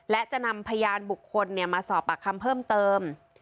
และจะนำพยานบุคคลมาสอบปากคำเพิ่มเติม